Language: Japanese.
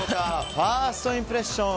ファーストインプレッション。